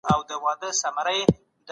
خلګ ولي له کلیو ښارونو ته ولاړل؟